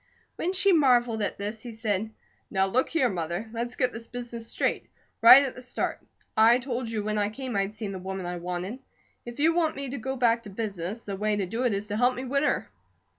When she marvelled at this he said: "Now, look here, Mother, let's get this business straight, right at the start. I told you when I came I'd seen the woman I wanted. If you want me to go back to business, the way to do it is to help me win her."